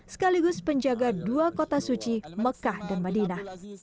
sekaligus penjaga dua kota suci mekah dan madinah